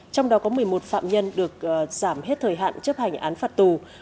trong đó có một mươi một phạm nhân được giảm hết thời hạn chấp hành án phạt tù